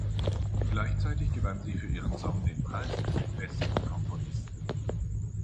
Gleichzeitig gewann sie für ihren Song den Preis für den besten Komponisten.